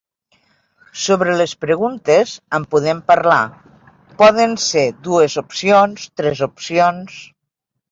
Sobre les preguntes en podem parlar: poden ser dues opcions, tres opcions.